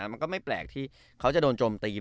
มันก็ไม่แปลกที่เขาจะโดนโจมตี